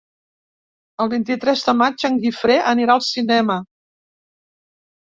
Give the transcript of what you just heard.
El vint-i-tres de maig en Guifré anirà al cinema.